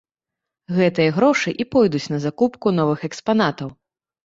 Гэтыя грошы і пойдуць на закупку новых экспанатаў.